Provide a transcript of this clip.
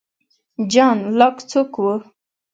جان لاک څوک و؟